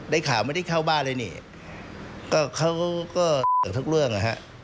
ได้ข่าวไม่ได้เข้าบ้านเลยนี่ก็เขาก็เกือบทุกเรื่องนะฮะ